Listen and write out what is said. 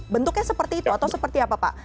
bentuknya seperti itu atau seperti apa pak